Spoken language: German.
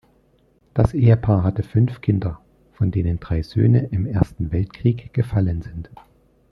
Das Ehepaar hatte fünf Kinder, von denen drei Söhne im Ersten Weltkrieg gefallen sind.